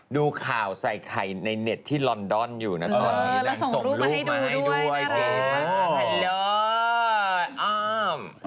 ดูข่าวไซค์ไทยในเน็ตที่ลอนดอนอยู่นะตอนนี้ส่งลูกมาให้ด้วยอ๋อทุกคนโทรม